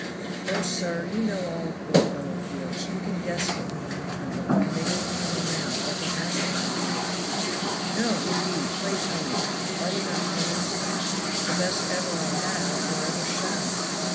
"Oh, sir! you know all a poor fellow feels. You can guess what made me tremble, and makes me tremble now, like an aspen I do." "No, indeed! pray tell me! Are we not friends?" "The best ever I had, or ever shall."